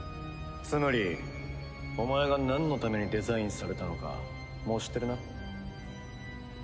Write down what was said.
ツムリお前がなんのためにデザインされたのかもう知ってるな？